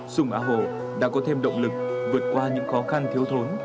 sùng a hồ đã có thêm động lực vượt qua những khó khăn thiếu thốn